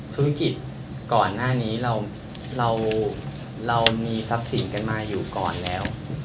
ธุรกิจก่อนหน้านี้เรามีทรัพย์สินกันมาอยู่ก่อนแล้ว